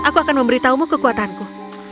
aku akan memberitahumu kekuatanku